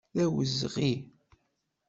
D awezɣi.